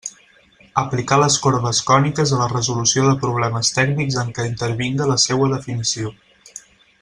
Aplicar les corbes còniques a la resolució de problemes tècnics en què intervinga la seua definició.